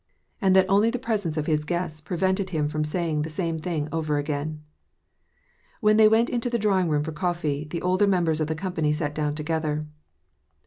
WAR AND PEACE. 821 that only the presence of his guests prevented him from say ing the same thing over again. When they went into the drawing room for coffee, the older members of the company sat down together.